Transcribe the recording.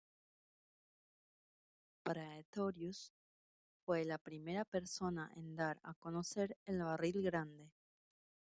Praetorius fue la primera persona en dar a conocer el barril grande.